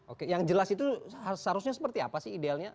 oke yang jelas itu seharusnya seperti apa sih idealnya